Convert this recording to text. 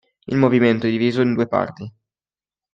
Il movimento è diviso in due parti.